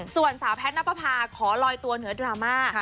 ส่วนสาวแพทย์นับประพาขอลอยตัวเหนือดราม่า